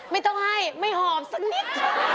ไม่ต้องให้ไม่หอมสักนิด